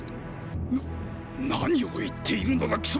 なっ何を言っているのだ貴様